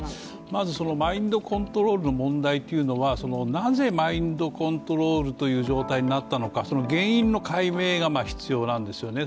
まずマインドコントロールの問題というのはなぜ、マインドコントロールという状態になったのか、その原因の解明が必要なんですよね。